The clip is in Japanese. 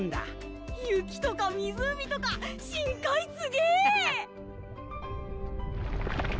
雪とか湖とか深海すげえ！